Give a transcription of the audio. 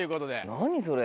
何それ。